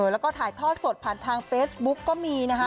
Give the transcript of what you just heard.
แล้วก็ถ่ายทอดสดผ่านทางเฟซบุ๊กก็มีนะคะ